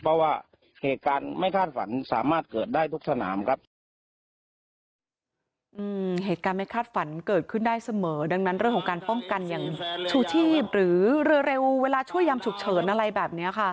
เพราะว่าเหตุการณ์ไม่คาดฝันสามารถเกิดได้ทุกสนามครับ